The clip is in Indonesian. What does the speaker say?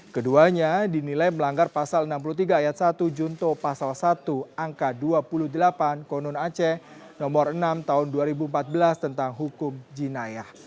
keduanya dinilai melanggar pasal enam puluh tiga ayat satu junto pasal satu angka dua puluh delapan konon aceh nomor enam tahun dua ribu empat belas tentang hukum jinayah